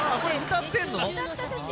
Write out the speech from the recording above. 歌った写真？